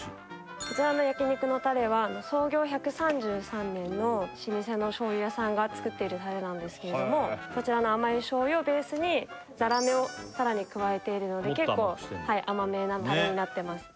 こちらの焼肉のタレは創業１３３年の老舗の醤油屋さんが作っているタレなんですけれどもそちらの甘い醤油をベースにザラメをさらに加えているので結構甘めなタレになってます